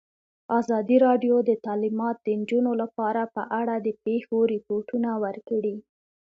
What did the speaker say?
ازادي راډیو د تعلیمات د نجونو لپاره په اړه د پېښو رپوټونه ورکړي.